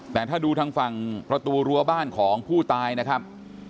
แต่ถ้าดูทางฝั่งประตูรั้วบ้านของผู้ตายนะครับ